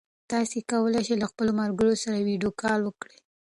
تاسي کولای شئ له خپلو ملګرو سره ویډیو کال وکړئ.